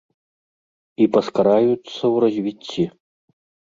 І паскараюцца ў развіцці.